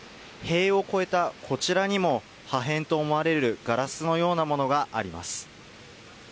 塀を越えたこちらにも破片と思われるガラスのようなものがあります。